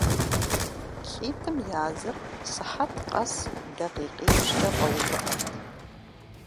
ЛӀитӀым языр сыхьэт къэс дакъикъипщӀкӀэ къэувыӀэрт.